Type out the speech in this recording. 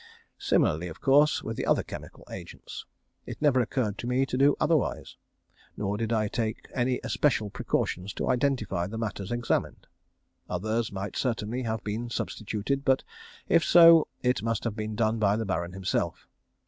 Similarly, of course, with the other chemical agents. It never occurred to me to do otherwise. Nor did I take any especial precautions to identify the matters examined. Others might certainly have been substituted; but if so, it must have been done by the Baron himself.